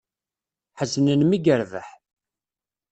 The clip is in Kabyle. Ḥeznen mi yerbeḥ.